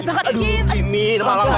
jadi umurindu dari bagian can